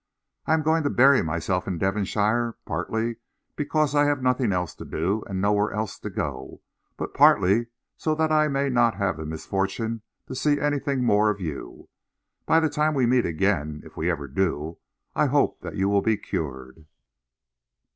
I am going to bury myself in Devonshire, partly because I have nothing else to do and nowhere else to go, but partly so that I may not have the misfortune to see anything more of you. By the time we meet again, if ever we do, I hope that you will be cured.